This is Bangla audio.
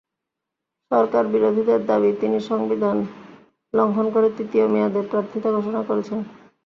সরকারবিরোধীদের দাবি, তিনি সংবিধান লঙ্ঘন করে তৃতীয় মেয়াদে প্রার্থিতা ঘোষণা করেছেন।